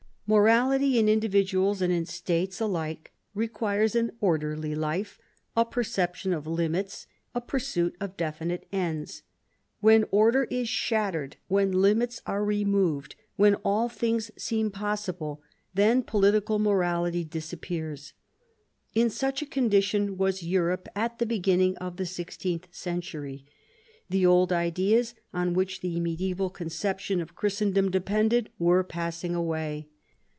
Morality in individuals and in states alike requires an orderly life, a perception of limits, a pursuit of definite ends. When order is shattered, when limits are removed, when all things seem possible, then political morality disappears In such a condition was Europe at the beginning of the sixteenth century. The old ideas, on which the mediaeval conception of Christendom depended, were passing away.